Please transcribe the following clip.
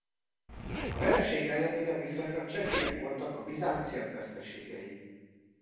A vereség ellenére viszonylag csekélyek voltak a bizánciak veszteségei.